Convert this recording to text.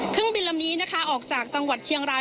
เครื่องบินลำนี้นะคะออกจากจังหวัดเชียงราย